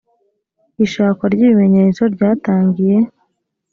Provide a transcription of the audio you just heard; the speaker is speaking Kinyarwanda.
ishakwa ry ibimenyetso ryatangiye